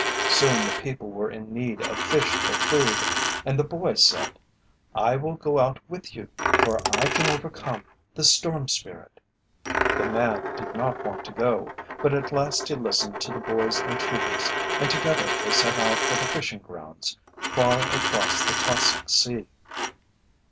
Soon the people were in need of fish for food. And the boy said, "I will go out with you, for I can overcome the Storm Spirit." The man did not want to go, but at last he listened to the boy's entreaties and together they set out for the fishing grounds far across the tossing sea.